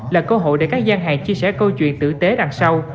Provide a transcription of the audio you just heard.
là cơ hội để các gian hàng chia sẻ câu chuyện tử tế đằng sau